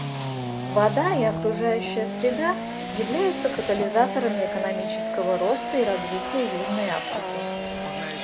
Вода и окружающая среда являются катализаторами экономического роста и развития Южной Африки.